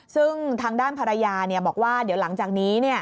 ซึ่งทางด้านภรรยาบอกว่าเดี๋ยวหลังจากนี้